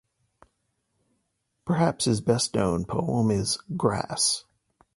Perhaps his best-known poem is "Grass".